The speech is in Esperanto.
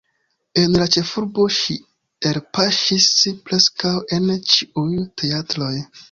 En la ĉefurbo ŝi elpaŝis preskaŭ en ĉiuj teatroj.